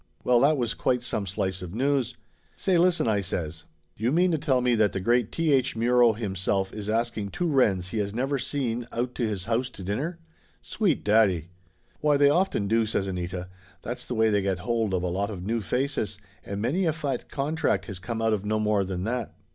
Well, that was quite some slice of news. "Say listen !" I says. "Do you mean to tell me that the great T. H. Muro himself is asking two wrens he has never seen out to his house to dinner? Sweet daddy!" "Why, they often do!" says Anita. "That's the way they get hold of a lot of new faces, and many a fat contract has come out of no more than that."